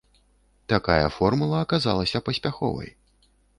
Такая формула аказалася паспяховай.